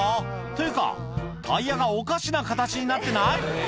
っていうかタイヤがおかしな形になってない？